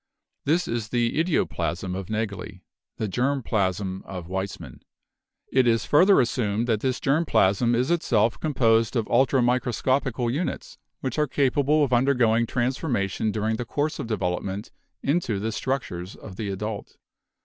This is the Idioplasm of Nageli, the Germ plasm of Weismann. It is further assumed that this germ plasm is itself composed of ultramicroscopical units, which are capable of undergoing transformation during the course of development into the structures of the adult.